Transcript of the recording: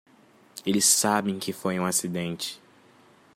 Eles sabem que foi um acidente.